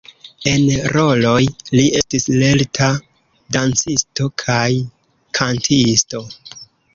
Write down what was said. En roloj li estis lerta dancisto kaj kantisto.